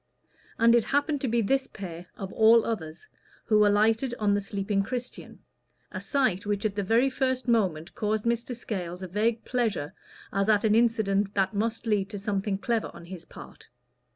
And it happened to be this pair, of all others, who alighted on the sleeping Christian a sight which at the very first moment caused Mr. Scales a vague pleasure as at an incident that must lead to something clever on his part.